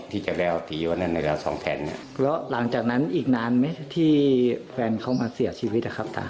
ที่จะแล้วตีวันนั้นไปแล้วสองแผ่นเนี่ยแล้วหลังจากนั้นอีกนานไหมที่แฟนเขามาเสียชีวิตอะครับตา